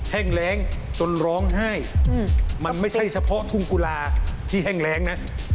แห้งแรงจนร้องไห้มันไม่ใช่เฉพาะทุ่งกุลาที่แห้งแรงนะ